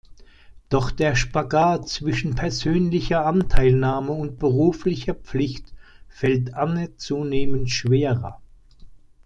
Doch der Spagat zwischen persönlicher Anteilnahme und beruflicher Pflicht fällt Anne zunehmend schwerer.